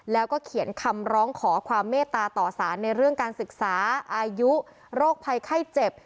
แล้วก็เขียนคำร้องขอความเมตตาต่อสารในเรื่องการศึกษาอายุโรคภัยไข้เจ็บ